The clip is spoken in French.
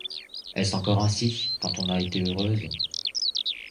Est-ce encore ainsi quand on a été heureuse?